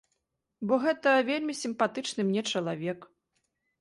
Бо гэта вельмі сімпатычны мне чалавек.